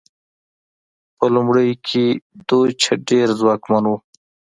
په لومړیو کې دوج ډېر ځواکمن و.